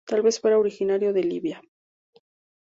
Tal vez fuera originario de Libia.